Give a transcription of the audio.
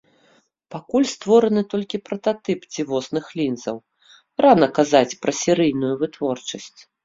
Пакуль створаны толькі прататып дзівосных лінзаў, рана казаць пра серыйную вытворчасць.